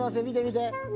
みてみて。